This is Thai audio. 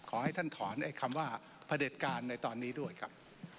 ขอให้ท่านถอนไอ้คำว่าพระเด็จการในตอนนี้ด้วยครับ